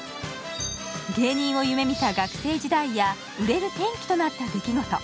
芸人を夢見た学生時代や売れる転機となった出来事。